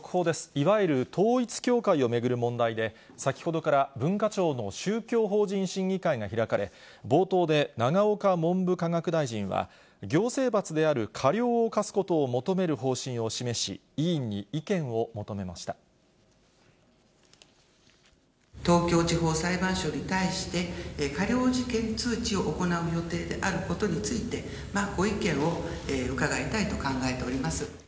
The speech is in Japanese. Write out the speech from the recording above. いわゆる統一教会を巡る問題で、先ほどから、文化庁の宗教法人審議会が開かれ、冒頭で永岡文部科学大臣は、行政罰である過料を科すことを求める方針を示し、東京地方裁判所に対して、過料事件通知を行う予定であることについて、ご意見を伺いたいと考えております。